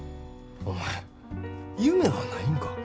お前夢はないんか？